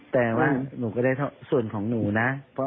แต่ว่าหนูก็ได้ส่วนของหนูนะ